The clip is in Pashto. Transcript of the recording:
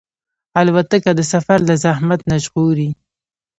الوتکه د سفر له زحمت نه ژغوري.